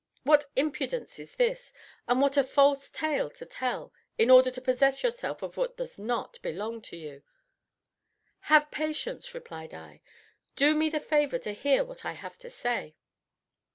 What impudence is this! and what a false tale to tell, in order to possess yourself of what does not belong to you!" "Have patience," replied I; "do me the favor to hear what I have to say."